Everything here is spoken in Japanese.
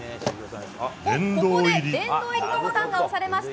ここで殿堂入りボタンが押されました。